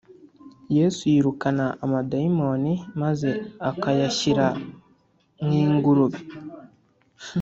yesu yirukana amadayimoni maze akayashyira mu ingurube